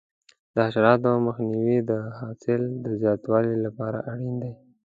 د حشراتو مخنیوی د حاصل د زیاتوالي لپاره اړین دی.